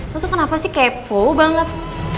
lu tuh kenapa sih kepo banget